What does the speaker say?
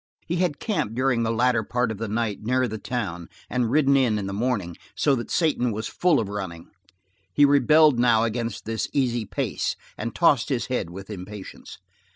He had camped during the latter part of the night near the town and ridden in in the morning, so that Satan was full of running. He rebelled now against this easy pace, and tossed his head with impatience.